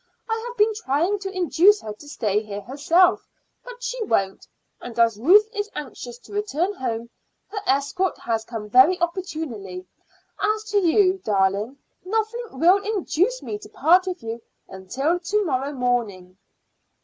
I have been trying to induce her to stay here herself, but she won't; and as Ruth is anxious to return home, her escort has come very opportunely. As to you, darling, nothing will induce me to part with you until to morrow morning."